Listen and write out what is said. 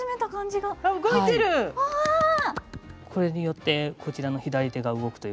これによってこちらの左手が動くという形になります。